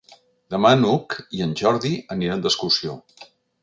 Demà n'Hug i en Jordi aniran d'excursió.